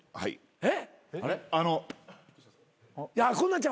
えっ